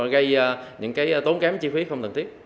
gây những tốn kém chi phí không cần thiết